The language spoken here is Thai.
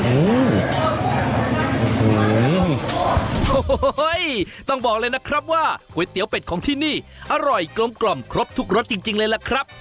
โอ้โหต้องบอกเลยนะครับว่าก๋วยเตี๋ยวเป็ดของที่นี่อร่อยกลมกล่อมครบทุกรสจริงเลยล่ะครับ